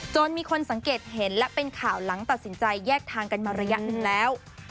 มีคนสังเกตเห็นและเป็นข่าวหลังตัดสินใจแยกทางกันมาระยะหนึ่งแล้ว